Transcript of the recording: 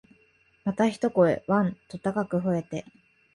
また一声、わん、と高く吠えて、